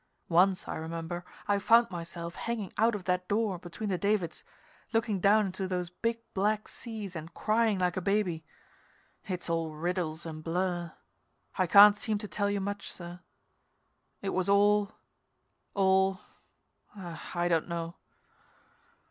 Once, I remember, I found myself hanging out of that door between the davits, looking down into those big black seas and crying like a baby. It's all riddles and blur. I can't seem to tell you much, sir. It was all all I don't know.